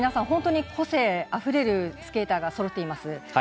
本当に個性あふれるスケーターがそろっています。